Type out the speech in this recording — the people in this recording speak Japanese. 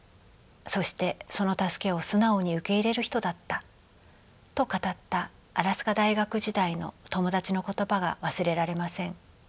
そしてその助けを素直に受け入れる人だった」と語ったアラスカ大学時代の友達の言葉が忘れられません。